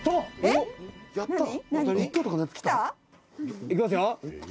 「いきますよ」